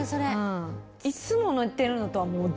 いつも寝てるのとはもう。